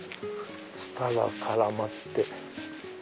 ツタが絡まって。